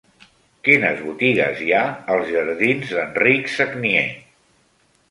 Quines botigues hi ha als jardins d'Enric Sagnier?